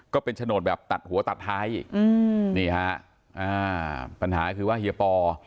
ก็เป็นโฉนดแบบตัดหัวตัดไทยปัญหาคือว่าเฮียปอ